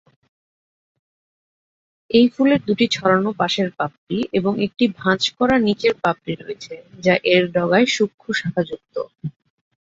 এই ফুলের দুটি ছড়ানো পাশের 'পাপড়ি' এবং একটি ভাঁজ করা নিচের পাপড়ি রয়েছে যা এর ডগায় সূক্ষ্ম-শাখাযুক্ত।